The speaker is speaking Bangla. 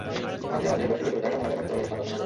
মাঝে মাঝে রসের ভেতরে থাকা ময়লা একত্র হয়ে সাদা ফেনা জমে।